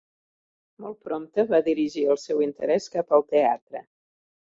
Molt prompte va dirigir el seu interès cap al teatre.